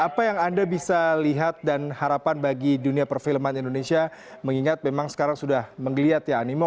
apa yang anda bisa lihat dan harapan bagi dunia perfilman indonesia mengingat memang sekarang sudah menggeliat ya animo